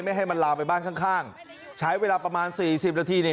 ให้มันลามไปบ้านข้างใช้เวลาประมาณ๔๐นาทีนี่